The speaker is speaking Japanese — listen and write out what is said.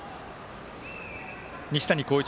西谷浩一